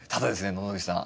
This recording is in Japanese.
野々口さん